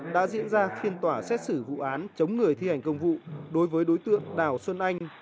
đã diễn ra phiên tòa xét xử vụ án chống người thi hành công vụ đối với đối tượng đào xuân anh